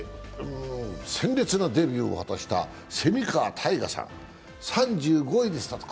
鮮烈なデビューを果たした蝉川泰果さん、３５位でスタート。